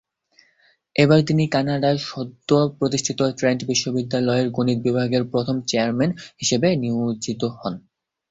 এবার তিনি কানাডার সদ্য প্রতিষ্ঠিত ট্রেন্ট বিশ্ববিদ্যালয়ের গণিত বিভাগের প্রথম চেয়ারম্যান হিসেবে নিয়োজিত হন।